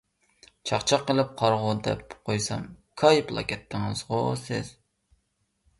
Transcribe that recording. چاقچاق قىلىپ «قارىغۇ» دەپ قويسام، كايىپلا كەتتىڭىزغۇ سىز.